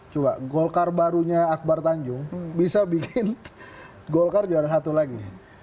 coba golkar barunya akbar tanjung bisa bikin golkar juara satu lagi